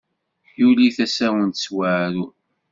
Yuli tasawent s waɛrur.